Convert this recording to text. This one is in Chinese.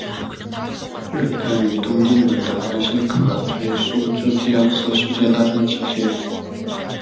日本与东帝汶的关系可追溯至第二次世界大战期间。